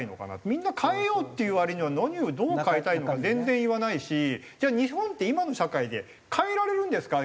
みんな「変えよう」って言う割には何をどう変えたいのか全然言わないしじゃあ日本って今の社会で変えられるんですか？